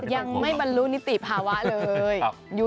ยังไม่บรรลุนิติภาวะเลย